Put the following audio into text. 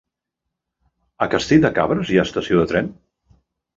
A Castell de Cabres hi ha estació de tren?